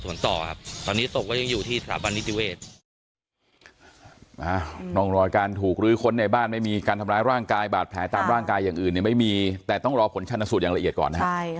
ส่วนต่อครับตอนนี้ศพก็ยังอยู่ที่สถาบันนิจเวศ